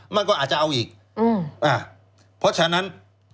มันก็อาจจะเอาอีกเพราะฉะนั้น